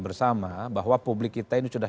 bersama bahwa publik kita ini sudah